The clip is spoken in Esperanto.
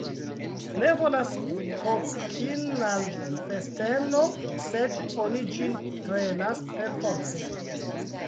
Ne volas kokin' al festeno, sed oni ĝin trenas perforte.